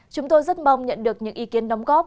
chúng tôi rất mong nhận được những ý kiến đóng góp